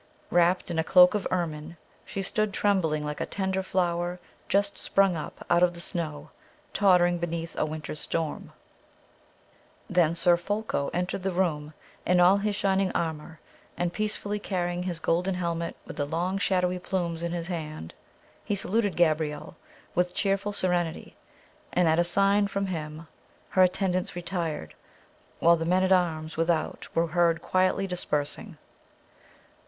Wrapped in a cloak of ermine, she stood trembling like a tender flower just sprung up out of the snow, tottering beneath a winter's storm. Then Sir Folko entered the room, in all his shining armour, and peacefully carrying his golden helmet with the long shadowy plumes in his hand. He saluted Gabrielle with cheerful serenity, and at a sign from him, her attendants retired, while the men at arms without were heard quietly dispersing.